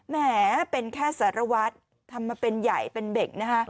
แหมเป็นแค่สารวัตรทำมาเป็นใหญ่เป็นเบ่งนะฮะ